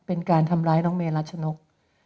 เป็นการทำร้ายน้องเมรัชนก